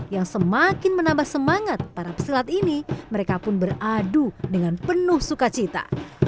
yang semakin menambah semangat para pesilat ini mereka pun beradu dengan penuh sukacita